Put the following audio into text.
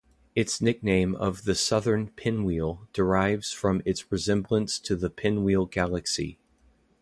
Its nickname of the Southern Pinwheel derives from its resemblance to the Pinwheel Galaxy.